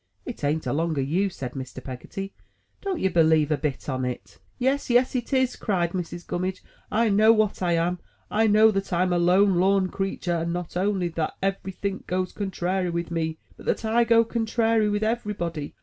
It an't along o' you!" said Mr. Peggotty. "Don't ye believe a bit on it." '*Yes, yes, it is," cried Mrs. Gimimidge. "I know what I am. I know that Tm a lone lorn creetur, and not only that every think goes contrairy with me, but that I go contrairy with everybody.